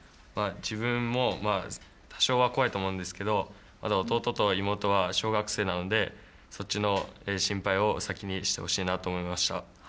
自分もまあ、多少は怖いと思うんですけど、弟と妹は小学生なので、そっちの心配を先にしてほしいなと思いました。